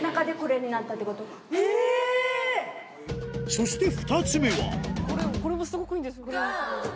そして２つ目はゴー！